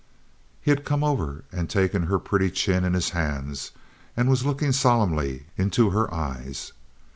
He had come over and taken her pretty chin in his hands, and was looking solemnly into her eyes.